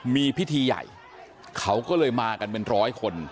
มีพิธีใหญ่เขาก็เลยมากันเป็นร้อยคน